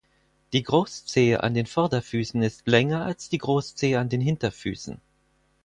Die Großzehe an den Vorderfüßen ist länger als die Großzehe an den Hinterfüßen.